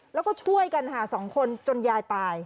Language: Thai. แล้วก็ช่วยกันหาสองคนจนยายตาย